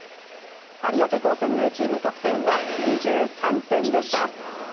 有明高専Ａチーム得点は２３点でした！